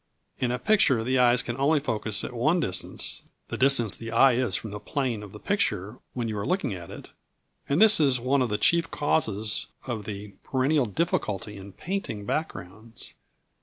In a picture the eyes can only focus at one distance (the distance the eye is from the plane of the picture when you are looking at it), and this is one of the chief causes of the perennial difficulty in painting backgrounds.